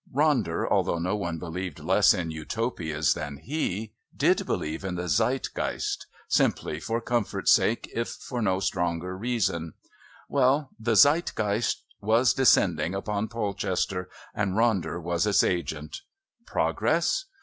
Ronder, although no one believed less in Utopias than he, did believe in the Zeitgeist simply for comfort's sake if for no stronger reason. Well, the Zeitgeist was descending upon Polchester, and Ronder was its agent. Progress?